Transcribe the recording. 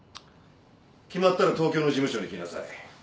決まったら東京の事務所に来なさい。